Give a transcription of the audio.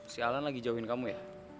si alan lagi jauhin kamu ya